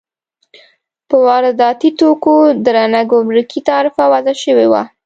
پر وارداتي توکو درنه ګمرکي تعرفه وضع شوې وه.